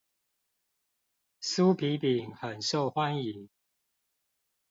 酥皮餅很受歡迎